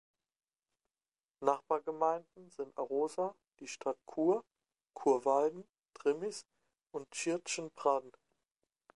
Nachbargemeinden sind Arosa, die Stadt Chur, Churwalden, Trimmis und Tschiertschen-Praden.